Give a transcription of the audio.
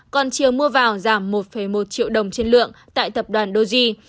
còn chiều mua vào giảm một một triệu đồng trên lượng tại tập đoàn doge